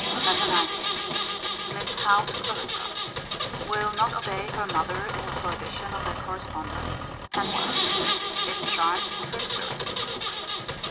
LETTER XIX. Miss Howe to Clarissa. Will not obey her mother in her prohibition of their correspondence: and why. Is charmed with her spirit.